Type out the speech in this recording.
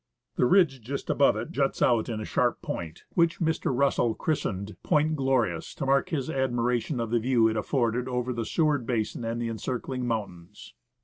The ridge just above it juts out in a sharp point, which Mr. Russell christened Point Glorious, to mark his admiration of the view it afforded over the Seward basin and the encircling mountains.